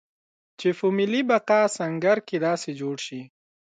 چې په ملي بقا سنګر کې داسې جوړ شي.